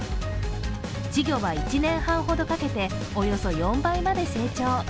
稚魚は１年半ほどかけておよそ４倍まで成長。